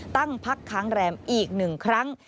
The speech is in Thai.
ตั้งพักค้างแรมอีก๑ครั้ง